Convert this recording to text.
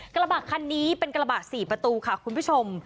กระบะคันนี้เป็นกระบะ๔ประตูค่ะคุณผู้ชม